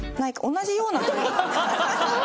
「同じような」？